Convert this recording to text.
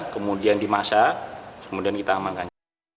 kemudian dimasak kemudian kita amankan